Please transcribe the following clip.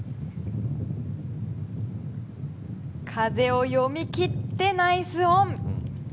風を読み切ってナイスオン。